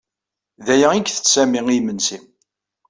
D aya i isett Sami i yimensi.